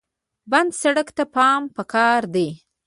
بند سړک ته پام پکار دی.